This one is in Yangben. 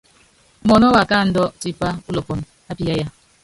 Muɔ́nɔ wákáandú tipá ulɔpɔnɔ ápiyáyaaaa.